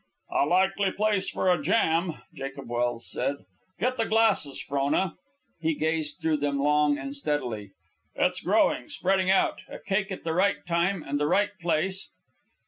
"A likely place for a jam," Jacob Welse said. "Get the glasses, Frona." He gazed through them long and steadily. "It's growing, spreading out. A cake at the right time and the right place